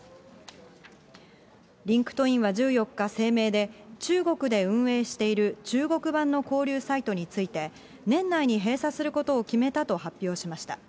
リンクトインは１４日声明で、中国で運営している中国版の交流サイトについて、年内に閉鎖することを決めたと発表しました。